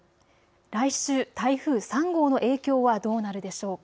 来週、台風３号の影響はどうなるでしょうか。